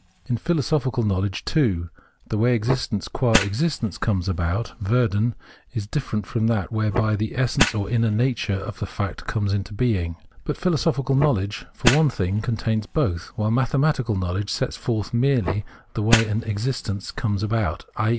In philosophical knowledge, too, the way existence, qua existence, comes about (Werden) is different from that whereby the essence or inner nature of the fact comes into being. But philosophical knowledge, for one thing, contains both, while mathematical knowledge sets forth merely the way an existence comes about, i.